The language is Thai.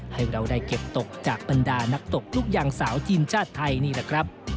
ให้เราได้เก็บตกจากบรรดานักตกลูกยางสาวทีมชาติไทยนี่แหละครับ